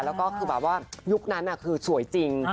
แล้วก็คือแบบว่ายุคนั้นคือสวยจริง